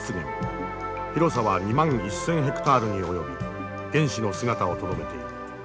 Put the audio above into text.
広さは２万１，０００ヘクタールに及び原始の姿をとどめている。